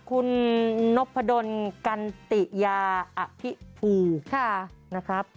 คุณนพดลกันติยาอภิภูนะครับ